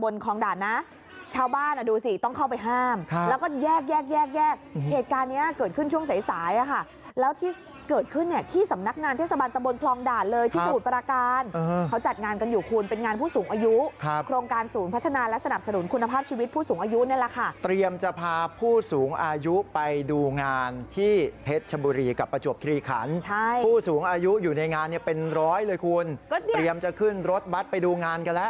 แล้วที่เกิดขึ้นเนี่ยที่สำนักงานเทศบาลตะบนคลองด่านเลยที่สู่ปราการเขาจัดงานกันอยู่คุณเป็นงานผู้สูงอายุโครงการศูนย์พัฒนาและสนับสนุนคุณภาพชีวิตผู้สูงอายุนี่แหละค่ะเตรียมจะพาผู้สูงอายุไปดูงานที่เพชรชบุรีกับประจวบคลีขันผู้สูงอายุอยู่ในงานเนี่ยเป็นร้อยเลยคุณเตรียมจะขึ้น